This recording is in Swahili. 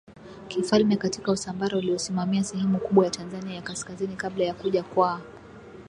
kifalme katika Usambara uliosimamia sehemu kubwa ya Tanzania ya kaskazini kabla ya kuja kwa